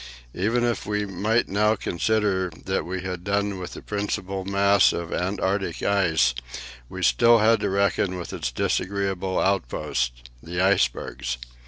Even if we might now consider that we had done with the principal mass of Antarctic ice, we still had to reckon with its disagreeable outposts the icebergs.